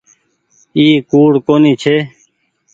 اي ڪوڙ ڪونيٚ ڇي۔